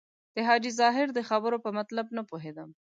د حاجي ظاهر د خبرو په مطلب نه پوهېدم.